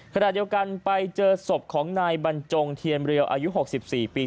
ขณะเดียวกันไปเจอศพของนายบรรจงเทียนเรียวอายุ๖๔ปี